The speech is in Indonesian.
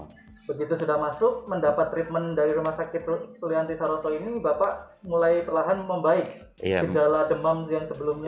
nah begitu sudah masuk mendapat treatment dari rumah sakit sulianti saroso ini bapak mulai perlahan membaik gejala demam yang sebelumnya